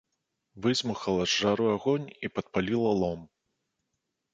Выдзьмухала з жару агонь і падпаліла лом.